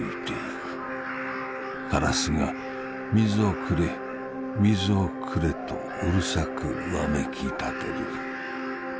カラスが『水をくれ水をくれ』とうるさくわめきたてる。